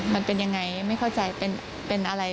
มันเป็นยังไงไม่เข้าใจเป็นอะไร